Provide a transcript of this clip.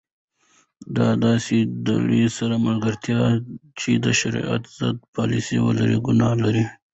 د داسي ډلي سره ملګرتیا چي د شرعیت ضد پالسي ولري؛ ګناه لري.